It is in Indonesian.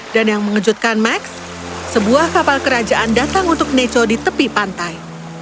dan yang mengejutkan max sebuah kapal kerajaan datang untuk neco di tepi pantai